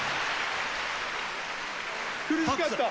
苦しかった！